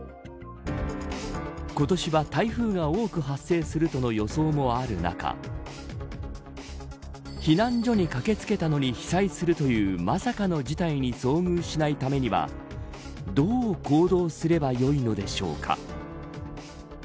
今年は、台風が多く発生するとの予想もある中避難所に駆け付けたのに被災するというまさかの事態に遭遇しないためにはどう行動すればよいのでしょうか。